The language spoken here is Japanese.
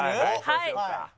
はい。